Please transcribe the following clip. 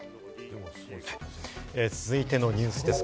続いてのニュースです。